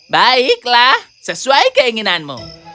baiklah sesuai keinginanmu